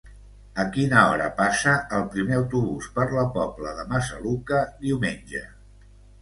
A quina hora passa el primer autobús per la Pobla de Massaluca diumenge?